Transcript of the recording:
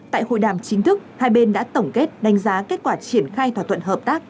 tại hội đàm chính thức hai bên đã tổng kết đánh giá kết quả triển khai thỏa thuận hợp tác